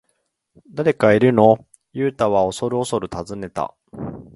「誰かいるの？」ユウタはおそるおそる尋ねた。